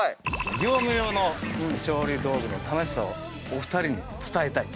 業務用の調理道具の楽しさをお二人に伝えたい。